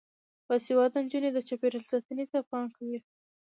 باسواده نجونې د چاپیریال ساتنې ته پام کوي.